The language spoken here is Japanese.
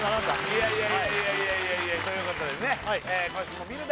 いやいやいやいやいやいやということでね